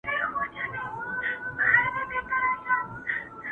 وږی تږی د سل کالو په سل کاله نه مړېږم.